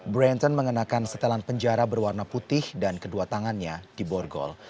branton mengenakan setelan penjara berwarna putih dan kedua tangannya di borgol